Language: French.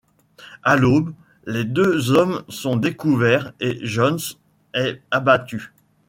À l'aube, les deux hommes sont découverts et Jones est abattu.